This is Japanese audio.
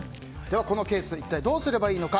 このケース一体どうすればいいのか。